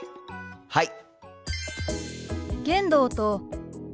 はい！